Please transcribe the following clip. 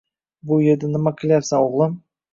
Bu yerda nima qilyapsan, o'g'lim?